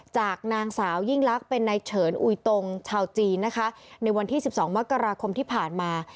จากนางสาวยิ่งลักษณ์เป็นนายเฉินอุยตรงชาวจีนนะคะในวันที่๑๒มกราคมที่ผ่านมา